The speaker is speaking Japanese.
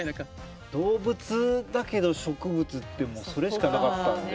動物だけど植物ってもうそれしかなかったんで。